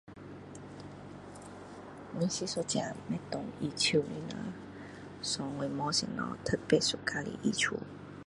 我是一个不同意手的人 so 我没什么特别喜欢的衣橱